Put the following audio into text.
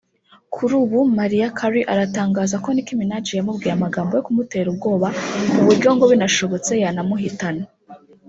Kuri ubu Mariah Carey aratangaza ko Nicki Minaj yamubwiye amagambo yo kumutera ubwoba ku buryo ngo binashobotse yanamuhitana